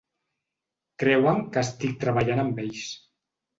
Creuen que estic treballant amb ells.